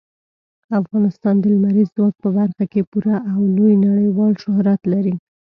افغانستان د لمریز ځواک په برخه کې پوره او لوی نړیوال شهرت لري.